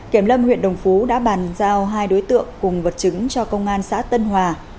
kiểm lâm huyện đồng phú đã bàn giao hai đối tượng cùng vật chứng cho công an xã tân hòa